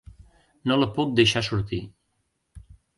No la puc deixar sortir.